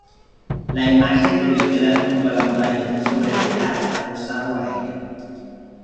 La imagen debió quedar junto a la muralla, sobre el altar adosado a ella.